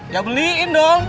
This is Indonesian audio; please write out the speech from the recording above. ya beliin dong